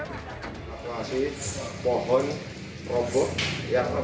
pohon pohon roboh yang aku ini dia memiliki kualitas yang lebih besar dari kualitas yang tersebut